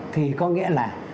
thì có nghĩa là